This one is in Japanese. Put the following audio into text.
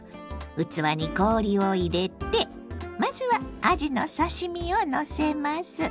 器に氷を入れてまずはあじの刺身をのせます。